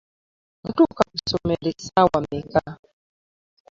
Mutuuka mu ssomero essaawa mmeka?